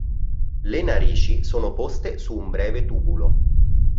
Le narici sono poste su un breve tubulo.